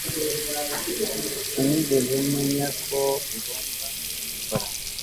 Sinigeze menya ko ngomba kubikora